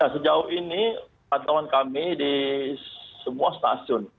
sejauh ini pantauan kami di semua stasiun